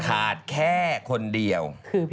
ขาดแค่คนเดียว